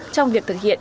trong việc thực hiện